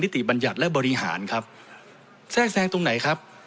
ติบัญญัติและบริหารครับแทรกแทรงตรงไหนครับ